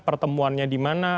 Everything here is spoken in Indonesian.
pertemuannya di mana